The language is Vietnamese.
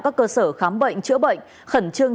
các cơ sở khám bệnh chữa bệnh khẩn trương